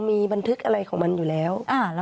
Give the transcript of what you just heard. มีบันทึกอะไรของมันอยู่แล้ว